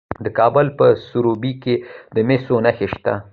د کابل په سروبي کې د مسو نښې شته.